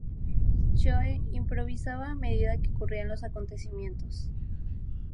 Choe improvisaba a medida que ocurrían los acontecimientos.